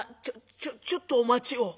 ちょちょっとお待ちを」。